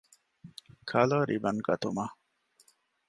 ކަލަރ ރިބަން ގަތުމަށް